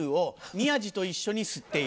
宮治と一緒にかい！